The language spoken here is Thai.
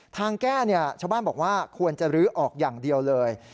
ทางแก้ชาวบ้านบอกว่าควรจะลื้อออกอย่างเดียวเลย